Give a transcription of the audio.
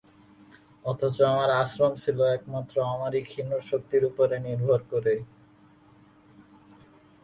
অথচ আমার আশ্রম ছিল একমাত্র আমারি ক্ষীণ শক্তির উপরে নির্ভর করে।